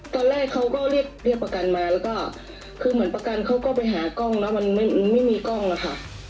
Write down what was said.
ตอนแรกเขาก็เรียกประกันมาแล้วก็คือเหมือนประกันเขาก็ไปหากล้องเนอะมันไม่มีกล้องอะค่ะ